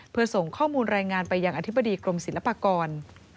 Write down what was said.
เพื่อส่งข้อมูลรายงานไปยังอธิบดีกรมศิลปากร